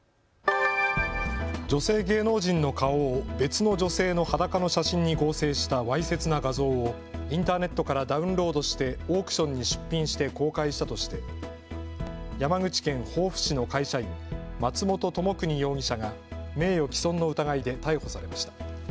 女性芸能人の顔を別の女性の裸の写真に合成したわいせつな画像をインターネットからダウンロードしてオークションに出品して公開したとして山口県防府市の会社員、松本知邦容疑者が名誉毀損の疑いで逮捕されました。